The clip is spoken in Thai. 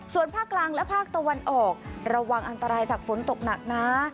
ส่วนภาคกลางและภาคตะวันออกระวังอันตรายจากฝนตกหนักนะ